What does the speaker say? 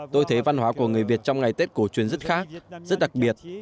tôi thấy văn hóa của người việt trong ngày tết cổ truyền rất khác rất đặc biệt